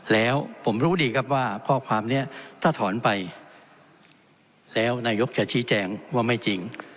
แล้วผมรู้ดีครับว่าข้อความนี้ถ้าถอนไปแล้วนายกจะชี้แจงว่าไม่จริง